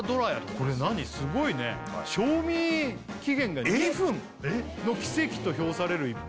これ何すごいね賞味期限が２分の奇跡と評される逸品